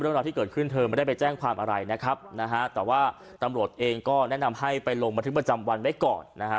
เรื่องราวที่เกิดขึ้นเธอไม่ได้ไปแจ้งความอะไรนะครับนะฮะแต่ว่าตำรวจเองก็แนะนำให้ไปลงบันทึกประจำวันไว้ก่อนนะฮะ